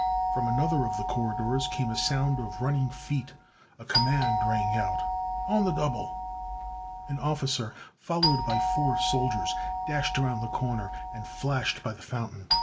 From another of the corridors came a sound of running feet. A command rang out: "On the double!" An officer, followed by four soldiers, dashed around the corner and flashed by the fountain.